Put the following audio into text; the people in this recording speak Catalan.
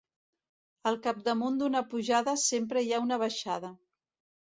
Al capdamunt d'una pujada sempre hi ha una baixada.